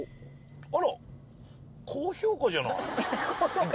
あらっ高評価じゃないの。